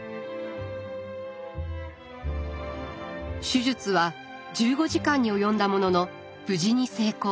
手術は１５時間に及んだものの無事に成功。